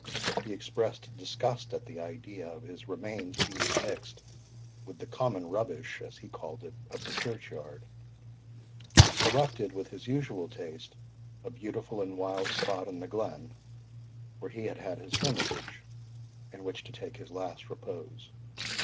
He expressed disgust at the idea, of his remains being mixed with the common rubbish, as he called it, of the churchyard, and selected with his usual taste a beautiful and wild spot in the glen where he had his hermitage, in which to take his last repose.